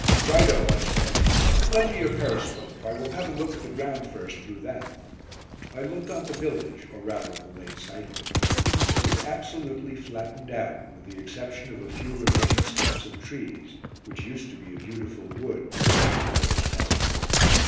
"Right o!" I said. "Lend me your periscope; I will have a look at the ground first through that." I looked on the village, or rather the late site of it. It was absolutely flattened out, with the exception of a few remaining stumps of trees, which used to be a beautiful wood, near which the village nestled.